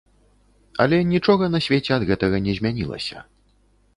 Але нічога на свеце ад гэтага не змянілася.